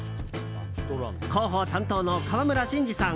広報担当の川村慎二さん